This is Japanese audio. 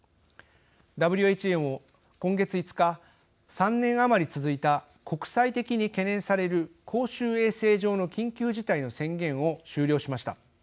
ＷＨＯも今月５日３年余り続いた国際的に懸念される公衆衛生上の緊急事態の宣言を終了しました。